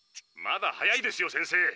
まだ早いですよ先生。